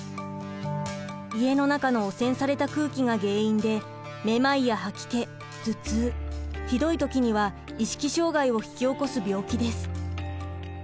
家の中の汚染された空気が原因でめまいや吐き気頭痛ひどい時には意識障害を引き起こす病気です。